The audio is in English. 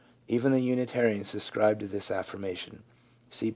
Even the Unitarians subscribe to this affirmation (see pp.